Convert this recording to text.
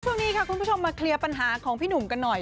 ช่วงนี้ค่ะคุณผู้ชมมาเคลียร์ปัญหาของพี่หนุ่มกันหน่อย